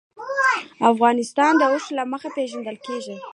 افغانستان د اوښ له مخې پېژندل کېږي.